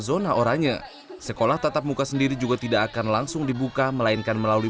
zona oranye sekolah tatap muka sendiri juga tidak akan langsung dibuka melainkan melalui